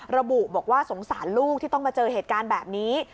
ระบุบอกว่าสงสารลูกที่ต้องมาเจอเหตุการณ์แบบนี้